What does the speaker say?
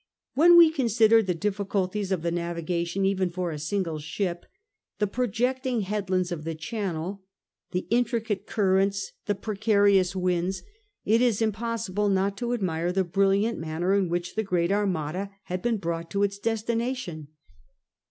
When we consider the difficulties of the navigation even for a single ship, the projecting headlands of the Channel, the intricate currents, the precarious winds, it is impossible not to admire the brilliant manner in which the great Armada had been brought to its destination.